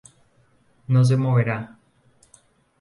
No se moverá.